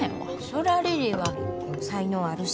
そりゃリリーは才能あるし。